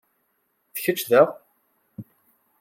D kečč daɣ?